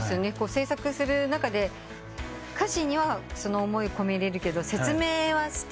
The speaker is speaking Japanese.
制作する中で歌詞にはその思いを込められるけど説明はできないですもんね。